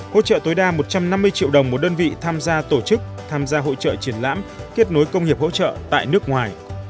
hỗ trợ tối đa một trăm năm mươi triệu đồng một đơn vị tham gia tổ chức tham gia hội trợ triển lãm kết nối công nghiệp hỗ trợ tại nước ngoài